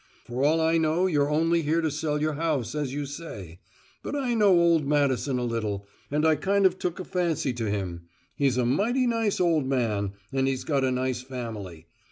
For all I know, you're only here to sell your house, as you say. But I know old man Madison a little, and I kind of took a fancy to him; he's a mighty nice old man, and he's got a nice family.